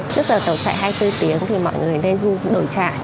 trước giờ tàu chạy hai mươi bốn tiếng thì mọi người nên đổi chạy